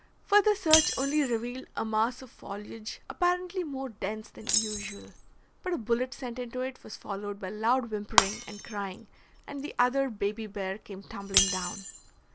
Further search only revealed a mass of foliage apparently more dense than usual, but a bullet sent into it was followed by loud whimpering and crying, and the other baby bear came tumbling down.